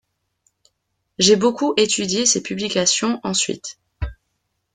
J’ai beaucoup étudié ses publications ensuite.